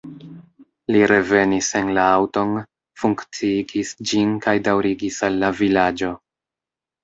Li revenis en la aŭton, funkciigis ĝin kaj daŭrigis al la vilaĝo.